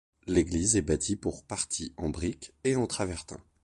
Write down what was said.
L'église est bâtie pour partie en briques et en travertin.